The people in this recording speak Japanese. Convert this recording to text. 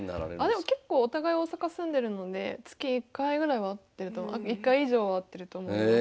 あでも結構お互い大阪住んでるので月１回ぐらいは会ってると１回以上は会ってると思います。